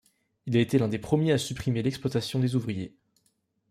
Il a été l'un des premiers a supprimer l'exploitation des ouvriers.